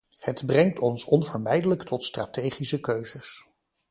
Het brengt ons onvermijdelijk tot strategische keuzes.